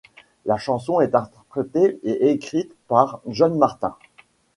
La chanson est interprétée et écrite par John Martin.